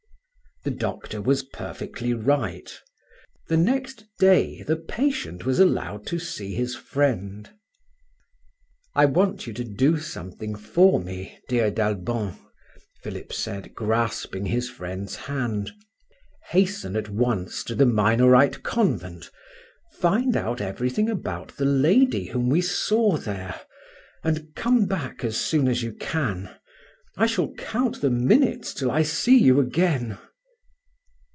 The doctor was perfectly right. The next day the patient was allowed to see his friend. "I want you to do something for me, dear d'Albon," Philip said, grasping his friend's hand. "Hasten at once to the Minorite convent, find out everything about the lady whom we saw there, and come back as soon as you can; I shall count the minutes till I see you again."